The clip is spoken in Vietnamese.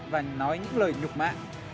và nói những lời nhục mạ